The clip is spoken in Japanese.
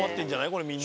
これみんな。